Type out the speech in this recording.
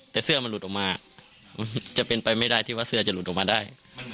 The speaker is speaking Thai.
แต่เสื้อมันหลุดออกมามันจะเป็นไปไม่ได้ที่ว่าเสื้อจะหลุดออกมาได้